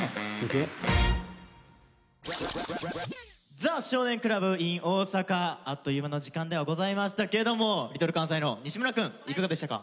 「ザ少年倶楽部ｉｎ大阪」あっという間の時間ではございましたけどもＬｉｌかんさいの西村くんいかがでしたか？